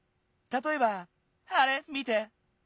たとえばあれ見て。